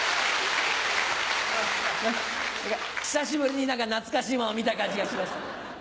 久しぶりに何か懐かしいものを見た感じがします。